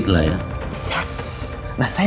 jadi bapak bisa coba